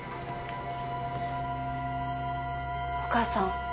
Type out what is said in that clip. お母さん。